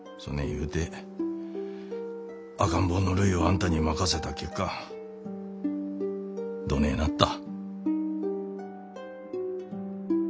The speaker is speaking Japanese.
言うて赤ん坊のるいをあんたに任せた結果どねえなった？